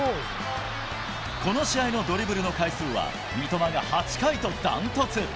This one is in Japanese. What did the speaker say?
この試合のドリブルの回数は、三笘が８回と断トツ。